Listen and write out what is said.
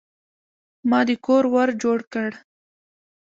ما د کور ور جوړ کړ.